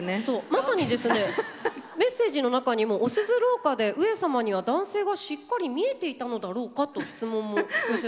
まさにですねメッセージの中にも「お鈴廊下で上様には男性がしっかり見えていたのだろうか」と質問も寄せられています。